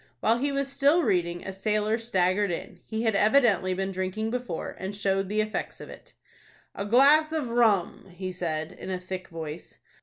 While he was still reading, a sailor staggered in. He had evidently been drinking before, and showed the effects of it. "A glass of rum," he said, in a thick voice.